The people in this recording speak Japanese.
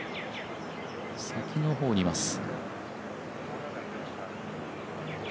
先の方にいます。